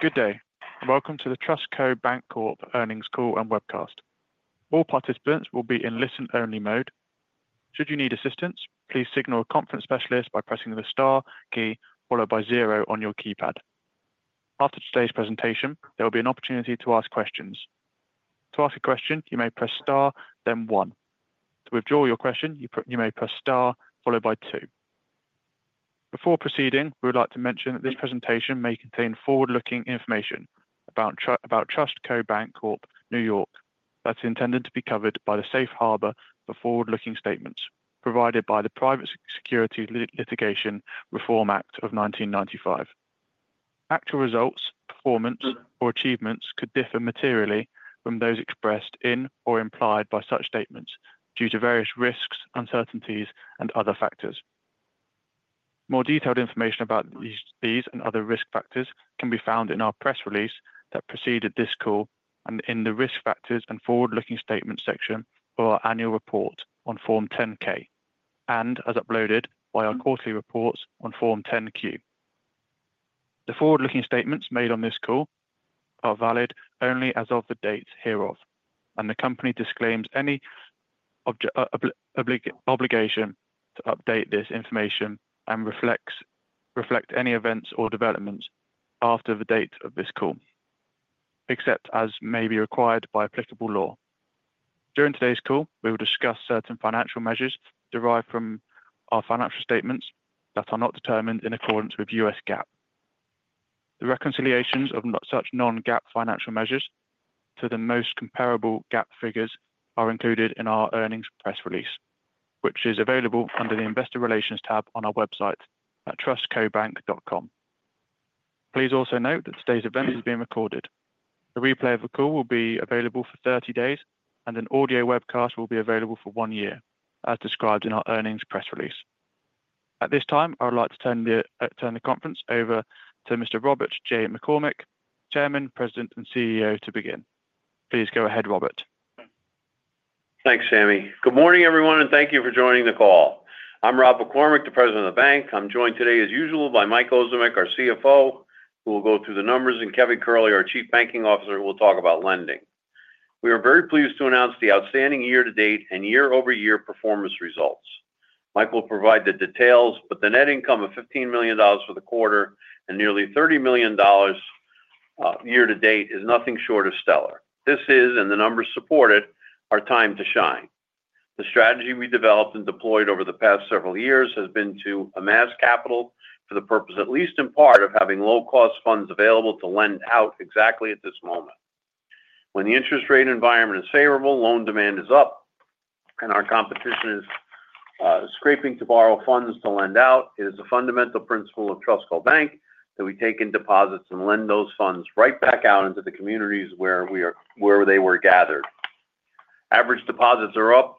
Good day and welcome to TrustCo Bank Corp earnings call and webcast. All participants will be in listen-only mode. Should you need assistance, please signal a conference specialist by pressing the star key followed by zero on your keypad. After today's presentation, there will be an opportunity to ask questions. To ask a question, you may press star, then one. To withdraw your question, you may press star followed by two. Before proceeding, we would like to mention that this presentation may contain forward-looking information TrustCo Bank Corp new york that is intended to be covered by the safe harbor for forward-looking statements provided by the Private Securities Litigation Reform Act of 1995. Actual results, performance, or achievements could differ materially from those expressed in or implied by such statements due to various risks, uncertainties, and other factors. More detailed information about these and other risk factors can be found in our press release that preceded this call and in the risk factors and forward-looking statements section of our annual report on Form 10-K and as updated by our quarterly reports on Form 10-Q. The forward-looking statements made on this call are valid only as of the date hereof, and the company disclaims any obligation to update this information or reflect any events or developments after the date of this call, except as may be required by applicable law. During today's call, we will discuss certain financial measures derived from our financial statements that are not determined in accordance with U.S. GAAP. The reconciliations of such non-GAAP financial measures to the most comparable GAAP figures are included in our earnings press release, which is available under the Investor Relations tab on our website at trustcobank.com. Please also note that today's event is being recorded. The replay of the call will be available for 30 days, and an audio webcast will be available for one year, as described in our earnings press release. At this time, I would like to turn the conference over to Mr. Robert J. McCormick, Chairman, President, and CEO, to begin. Please go ahead, Robert. Thanks, Jamie. Good morning, everyone, and thank you for joining the call. I'm Robert McCormick, the President of the Bank. I'm joined today, as usual, by Michael Ozimek, our CFO, who will go through the numbers, and Kevin Curley, our Chief Banking Officer, who will talk about lending. We are very pleased to announce the outstanding year-to-date and year-over-year performance results. Michael will provide the details, but the net income of $15 million for the quarter and nearly $30 million year-to-date is nothing short of stellar. This is, and the numbers support it, our time to shine. The strategy we developed and deployed over the past several years has been to amass capital for the purpose, at least in part, of having low-cost funds available to lend out exactly at this moment. When the interest rate environment is favorable, loan demand is up, and our competition is scraping to borrow funds to lend out. It is a fundamental principle of Trustco Bank that we take in deposits and lend those funds right back out into the communities where they were gathered. Average deposits are up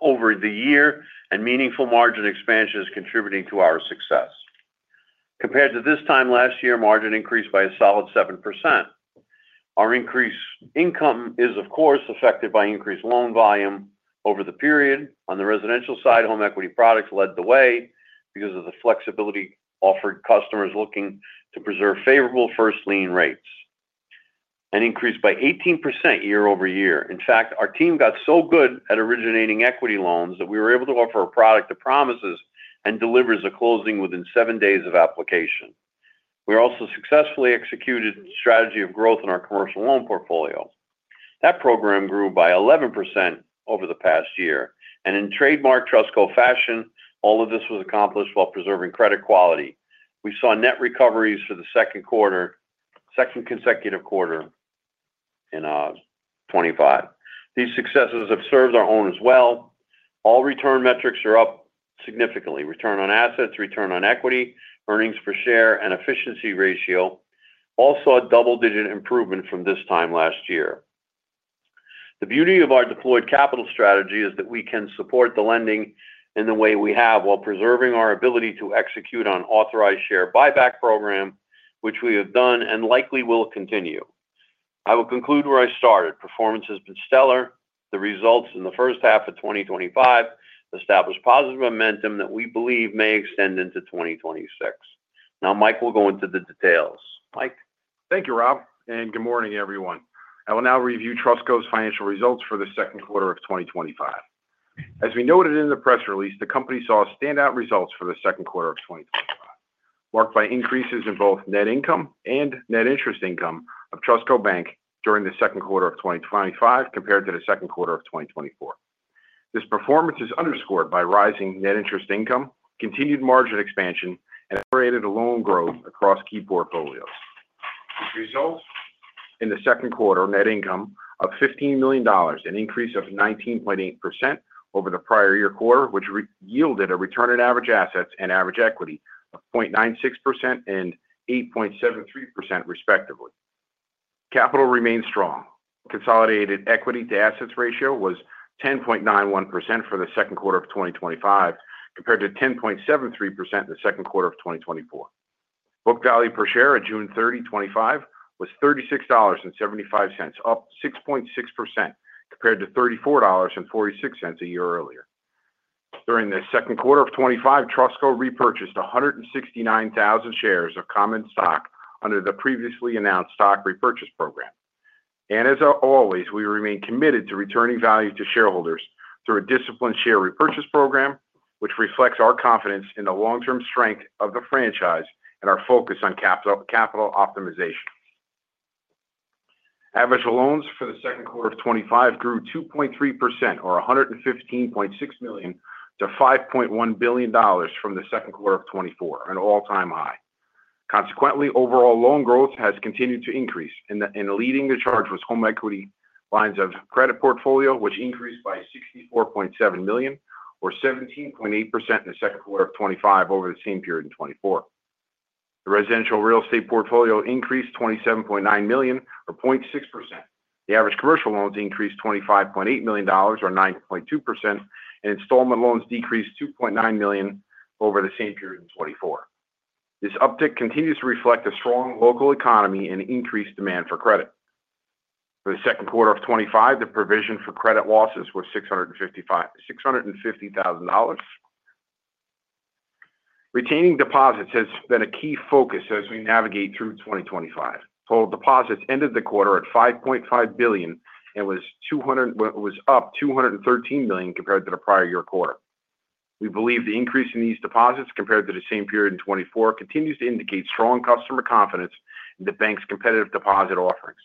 over the year, and meaningful margin expansion is contributing to our success. Compared to this time last year, margin increased by a solid 7%. Our increased income is, of course, affected by increased loan volume over the period. On the residential side, home equity lines of credit led the way because of the flexibility offered to customers looking to preserve favorable first lien rates. An increase by 18% year-over-year. In fact, our team got so good at originating equity loans that we were able to offer a product that promises and delivers a closing within seven days of application. We also successfully executed the strategy of growth in our commercial loans portfolio. That program grew by 11% over the past year. In trademark Trustco fashion, all of this was accomplished while preserving credit quality. We saw net recoveries for the second quarter, second consecutive quarter in 2025. These successes have served our owners well. All return metrics are up significantly: return on average assets, return on average equity, earnings per share, and efficiency ratio. Also, a double-digit improvement from this time last year. The beauty of our deployed capital strategy is that we can support the lending in the way we have while preserving our ability to execute on an authorized share repurchase program, which we have done and likely will continue. I will conclude where I started. Performance has been stellar. The results in the first half of 2025 established positive momentum that we believe may extend into 2026. Now, Michael will go into the details. Mike? Thank you, Rob, and good morning, everyone. I will now review Trustco's financial results for the second quarter of 2025. As we noted in the press release, the company saw standout results for the second quarter of 2024, marked by increases in both net income and net interest income of Trustco Bank during the second quarter of 2025 compared to the second quarter of 2024. This performance is underscored by rising net interest income, continued margin expansion, and accredited loan growth across key portfolios. The results in the second quarter: net income of $15 million, an increase of 19.8% over the prior year quarter, which yielded a return on average assets and average equity of 0.96% and 8.73%, respectively. Capital remains strong. Consolidated equity to assets ratio was 10.91% for the second quarter of 2025 compared to 10.73% in the second quarter of 2024. Book value per share on June 30, 2025 was $36.75, up 6.6% compared to $34.46 a year earlier. During the second quarter of 2025, Trustco repurchased 169,000 shares of common stock under the previously announced share repurchase program. We remain committed to returning value to shareholders through a disciplined share repurchase program, which reflects our confidence in the long-term strength of the franchise and our focus on capital optimization. Average loans for the second quarter of 2025 grew 2.3%, or $115.6 million, to $5.1 billion from the second quarter of 2024, an all-time high. Consequently, overall loan growth has continued to increase, and leading the charge was the home equity lines of credit portfolio, which increased by $64.7 million, or 17.8% in the second quarter of 2025 over the same period in 2024. The residential real estate portfolio increased $27.9 million, or 0.6%. The average commercial loans increased $25.8 million, or 9.2%, and installment loans decreased $2.9 million over the same period in 2024. This uptick continues to reflect a strong local economy and increased demand for credit. For the second quarter of 2025, the provision for credit losses was $650,000. Retaining deposits has been a key focus as we navigate through 2025. Total deposits ended the quarter at $5.5 billion and was up $213 million compared to the prior year quarter. We believe the increase in these deposits compared to the same period in 2024 continues to indicate strong customer confidence in the bank's competitive deposit offerings.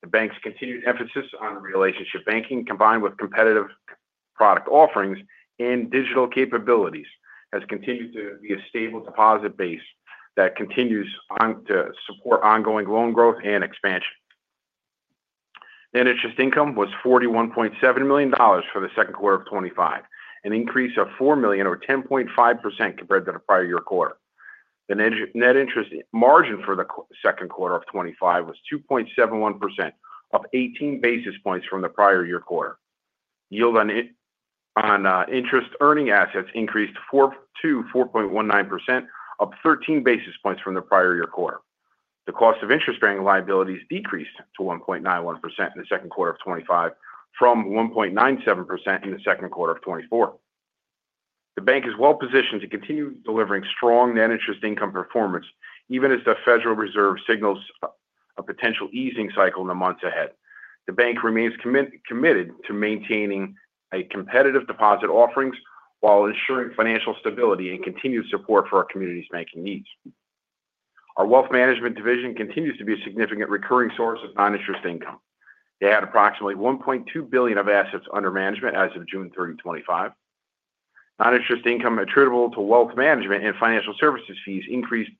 The bank's continued emphasis on relationship banking, combined with competitive product offerings and digital capabilities, has continued to be a stable deposit base that continues to support ongoing loan growth and expansion. Net interest income was $41.7 million for the second quarter of 2025, an increase of $4 million, or 10.5% compared to the prior year quarter. The net interest margin for the second quarter of 2025 was 2.71%, up 18 basis points from the prior year quarter. Yield on interest earning assets increased to 4.19%, up 13 basis points from the prior year quarter. The cost of interest bearing liabilities decreased to 1.91% in the second quarter of 2025 from 1.97% in the second quarter of 2024. The bank is well positioned to continue delivering strong net interest income performance, even as the Federal Reserve signals a potential easing cycle in the months ahead. The bank remains committed to maintaining competitive deposit offerings while ensuring financial stability and continued support for our community's banking needs. Our wealth management division continues to be a significant recurring source of non-interest income. They had approximately $1.2 billion of assets under management as of June 30, 2025. Non-interest income attributable to wealth management and financial services fees increased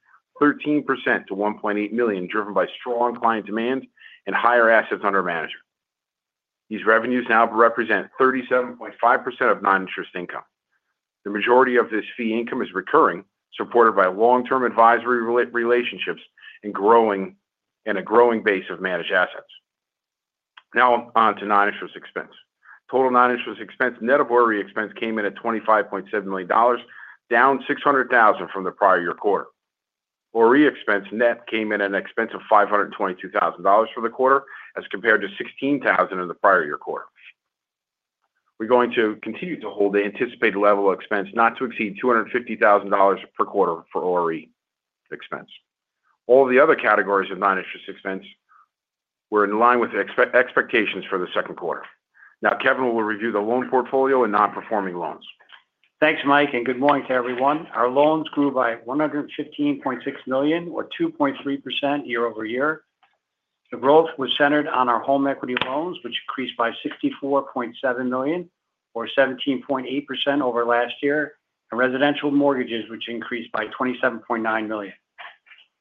13% to $1.8 million, driven by strong client demand and higher assets under management. These revenues now represent 37.5% of non-interest income. The majority of this fee income is recurring, supported by long-term advisory relationships and a growing base of managed assets. Now on to non-interest expense. Total non-interest expense net of OREA expense came in at $25.7 million, down $600,000 from the prior year quarter. OREA expense net came in at an expense of $522,000 for the quarter, as compared to $16,000 in the prior year quarter. We're going to continue to hold the anticipated level of expense not to exceed $250,000 per quarter for OREA expense. All of the other categories of non-interest expense were in line with expectations for the second quarter. Now, Kevin will review the loan portfolio and non-performing loans. Thanks, Mike, and good morning to everyone. Our loans grew by $115.6 million, or 2.3% year-over-year. The growth was centered on our home equity loans, which increased by $64.7 million, or 17.8% over last year, and residential mortgages, which increased by $27.9 million.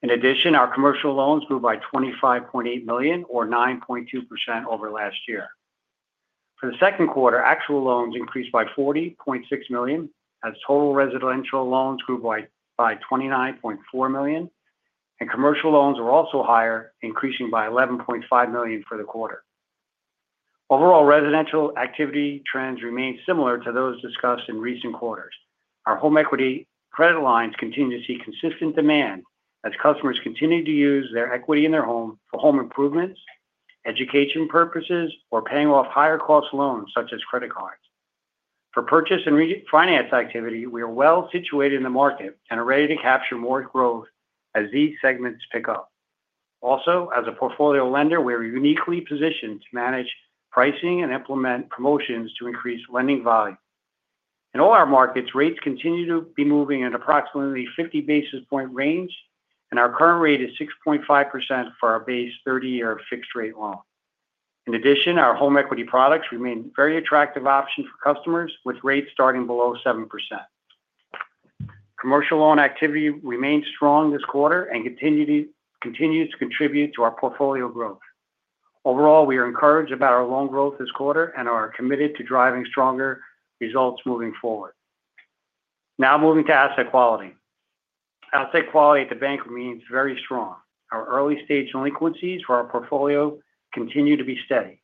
In addition, our commercial loans grew by $25.8 million, or 9.2% over last year. For the second quarter, actual loans increased by $40.6 million, as total residential loans grew by $29.4 million, and commercial loans were also higher, increasing by $11.5 million for the quarter. Overall, residential activity trends remain similar to those discussed in recent quarters. Our home equity lines of credit continue to see consistent demand as customers continue to use their equity in their home for home improvements, education purposes, or paying off higher cost loans, such as credit cards. For purchase and refinance activity, we are well situated in the market and are ready to capture more growth as these segments pick up. Also, as a portfolio lender, we are uniquely positioned to manage pricing and implement promotions to increase lending value. In all our markets, rates continue to be moving in approximately 50 basis point range, and our current rate is 6.5% for our base 30-year fixed-rate loan. In addition, our home equity products remain a very attractive option for customers with rates starting below 7%. Commercial loan activity remains strong this quarter and continues to contribute to our portfolio growth. Overall, we are encouraged about our loan growth this quarter and are committed to driving stronger results moving forward. Now moving to asset quality. Asset quality at the bank remains very strong. Our early-stage delinquencies for our portfolio continue to be steady.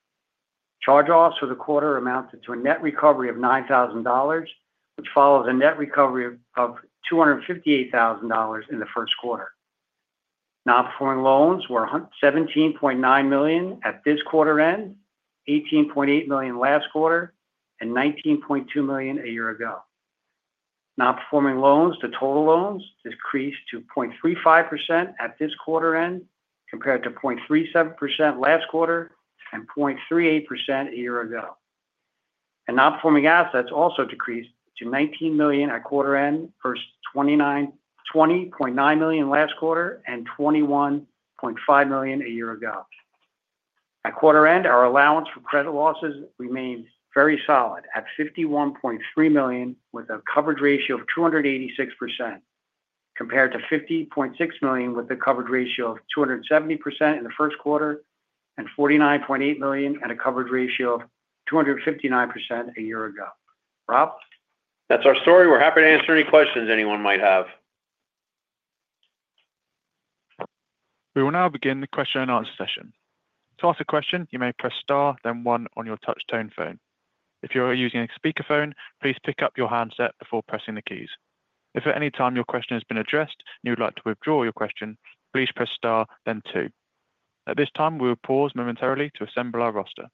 Charge-offs for the quarter amounted to a net recovery of $9,000, which follows a net recovery of $258,000 in the first quarter. Non-performing loans were $17.9 million at this quarter end, $18.8 million last quarter, and $19.2 million a year ago. Non-performing loans to total loans decreased to 0.35% at this quarter end compared to 0.37% last quarter and 0.38% a year ago. Non-performing assets also decreased to $19 million at quarter end, versus $20.9 million last quarter and $21.5 million a year ago. At quarter end, our allowance for credit losses remained very solid at $51.3 million with a coverage ratio of 286% compared to $50.6 million with a coverage ratio of 270% in the first quarter and $49.8 million at a coverage ratio of 259% a year ago. Rob? That's our story. We're happy to answer any questions anyone might have. We will now begin the question and answer session. To ask a question, you may press star, then one on your touch-tone phone. If you are using a speaker phone, please pick up your handset before pressing the keys. If at any time your question has been addressed and you would like to withdraw your question, please press star, then two. At this time, we will pause momentarily to assemble our roster.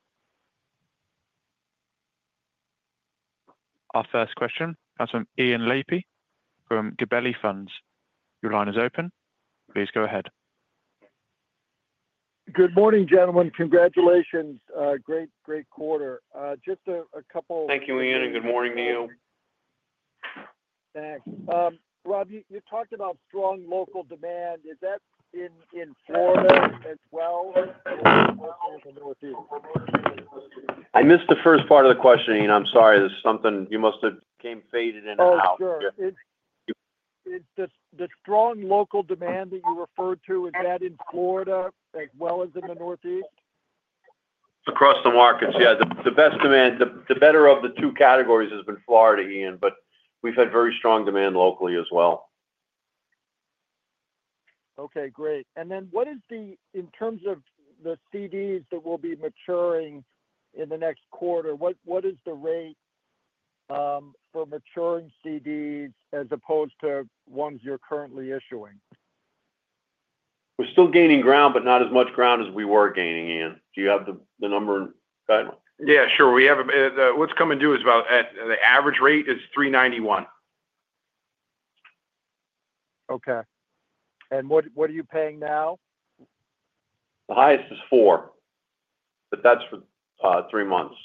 Our first question comes from Ian Lapey from Gabelli Funds. Your line is open. Please go ahead. Good morning, gentlemen. Congratulations. Great, great quarter. Just a couple. Thank you, Ian, and good morning to you. Thanks. Rob, you talked about strong local demand. Is that in Florida as well? I missed the first part of the question, Ian. I'm sorry. Something must have faded in and out. The strong local demand that you referred to, is that in Florida as well as in the Northeast? Across the markets, the best demand, the better of the two categories, has been Florida, Ian, but we've had very strong demand locally as well. Okay, great. What is the, in terms of the certificates of deposit that will be maturing in the next quarter, what is the rate for maturing certificates of deposit as opposed to ones you're currently issuing? We're still gaining ground, but not as much ground as we were gaining. Ian, do you have the number in? Yeah, sure. What's coming due is about at the average rate is $391. Okay. And what are you paying now? The highest is $400, but that's for three months.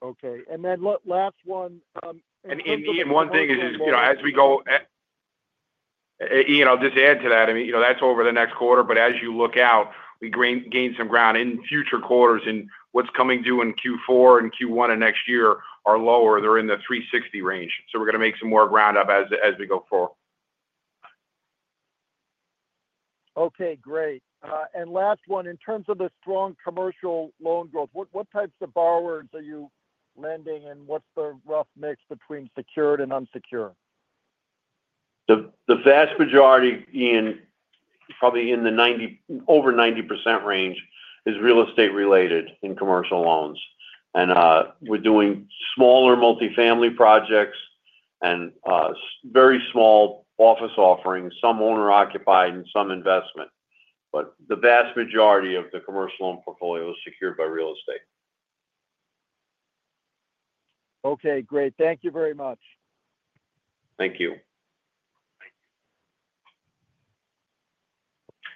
Okay, last one. One thing is, as we go, Ian, I'll just add to that. That's over the next quarter, but as you look out, we gain some ground in future quarters, and what's coming due in Q4 and Q1 of next year are lower. They're in the $360 range. We're going to make some more ground up as we go forward. Okay, great. Last one, in terms of the strong commercial loan growth, what types of borrowers are you lending, and what's the rough mix between secured and unsecured? The vast majority, Ian, probably in the over 90% range, is real estate-related in commercial loans. We're doing smaller multifamily projects and very small office offerings, some owner-occupied and some investment. The vast majority of the commercial loan portfolio is secured by real estate. Okay, great. Thank you very much. Thank you.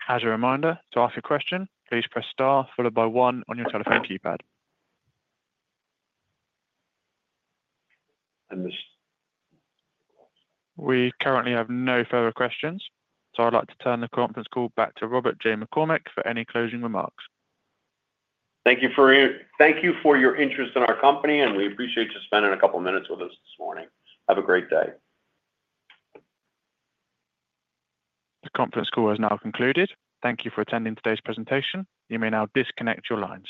As a reminder, to ask a question, please press star followed by one on your telephone keypad. I missed. We currently have no further questions, so I'd like to turn the conference call back to Robert J. McCormick for any closing remarks. Thank you for your interest in our company, and we appreciate you spending a couple of minutes with us this morning. Have a great day. The conference call has now concluded. Thank you for attending today's presentation. You may now disconnect your lines.